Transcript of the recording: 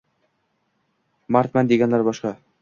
Mardman deganlar boshqa